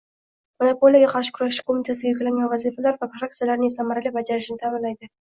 Monopoliyaga qarshi kurashish qo‘mitasiga yuklangan vazifalar va funksiyalarning samarali bajarilishini ta’minlaydi;